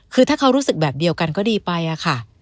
คือถ้าเขารู้สึกแบบเดียวกันก็ดีไปอะค่ะ